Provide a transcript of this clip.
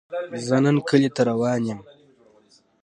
زۀ نن کلي ته روان يم